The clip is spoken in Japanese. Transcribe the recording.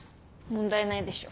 問題ないでしょ。